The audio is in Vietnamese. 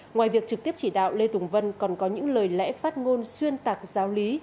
ngoài việc trực tiếp chỉ đạo lê tùng vân còn có những lời lẽ phát ngôn xuyên tạc giáo lý